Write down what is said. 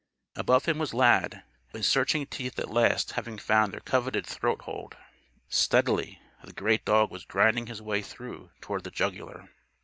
Above him was Lad, his searching teeth at last having found their coveted throat hold. Steadily, the great dog was grinding his way through toward the jugular.